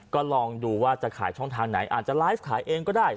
ก็ลองดูว่าจะขายช่องทางไหนอาจจะไลฟ์ขายเองก็ได้